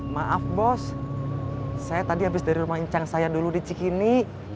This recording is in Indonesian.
maaf bos saya tadi habis dari rumah incang saya dulu di cikini